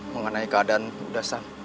mengenai keadaan udhasham